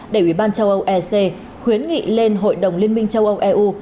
để ubnd châu âu ec khuyến nghị lên hội đồng liên minh châu âu eu